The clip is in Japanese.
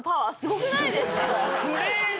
フレーズ